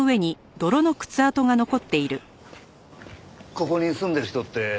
ここに住んでる人って。